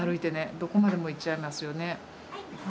どこまでも行っちゃいますよね。